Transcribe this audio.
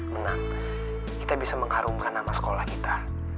menang kita bisa mengharumkan nama sekolah kita